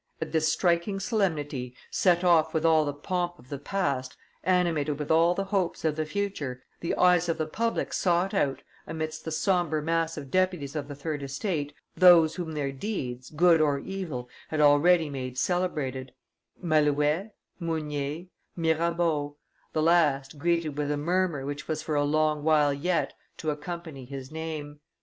At this striking solemnity, set off with all the pomp of the past, animated with all the hopes of the future, the eyes of the public sought out, amidst the sombre mass of deputies of the third (estate), those whom their deeds, good or evil, had already made celebrated: Malouet, Mounier, Mirabeau, the last greeted with a murmur which was for a long while yet to accompany his name.